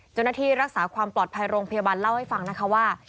เจ้าหน้าที่รักษาความปลอดภัยโรงพยาบาลเล่าให้ฟังนะคะว่า